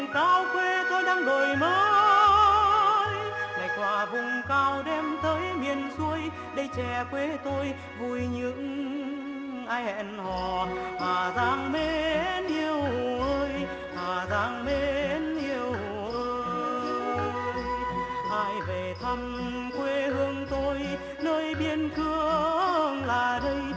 thầm quê hương tôi nơi biên cương là đây